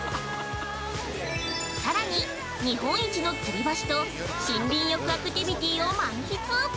◆さらに日本一のつり橋と森林浴アクティビティを満喫！